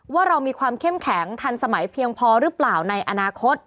ว่าเรามีความเข้มแข็งทันสมัยเพียงพอหรือเปล่าในอนาคต